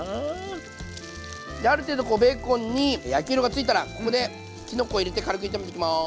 ある程度こうベーコンに焼き色がついたらここできのこを入れて軽く炒めていきます。